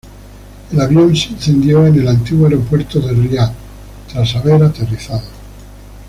El avión se incendió en el antiguo Aeropuerto de Riad tras haber aterrizado.